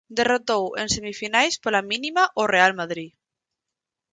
Derrotou en semifinais pola mínima o Real Madrid.